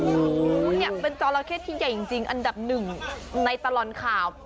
โอ้โหเนี่ยเป็นจราเข้ที่ใหญ่จริงอันดับหนึ่งในตลอดข่าว